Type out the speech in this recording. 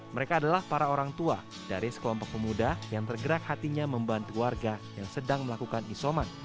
mereka adalah para orang tua dari sekelompok pemuda yang tergerak hatinya membantu warga yang sedang melakukan isoman